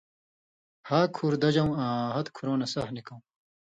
ہا کُھور دژؤں آں ہتہۡ کُھرؤں نہ سہہۡ نِکؤں